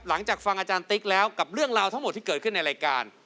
หลังจากฟังอาจารย์ติ๊กแล้วกับเรื่องราวทั้งหมดที่เกิดขึ้นในรายการ